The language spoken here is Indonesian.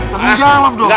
tanggung jawab dong